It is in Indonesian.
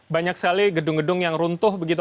banyak sekali gedung gedung yang runtuh begitu